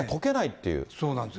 そうなんです。